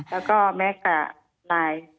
แล้วก็แม้กับลาย